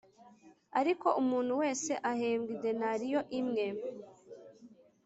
ariko umuntu wese ahembwa idenariyo imwe